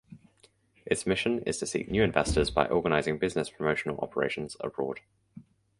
Its mission is to seek new investors by organizing business promotional operations abroad.